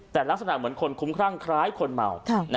แต่ลักษณะเหมือนคนคุ้มครั่งคล้ายคนเมา